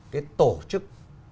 cái tổ chức